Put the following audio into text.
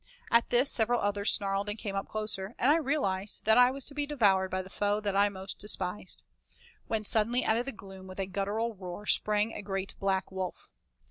At this several others snarled and came up closer, and I realized that I was to be devoured by the foe that I most despised; when suddenly out of the gloom with a guttural roar sprang a great black wolf.